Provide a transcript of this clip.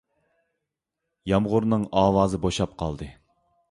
يامغۇرنىڭ ئاۋازى بوشاپ قالدى.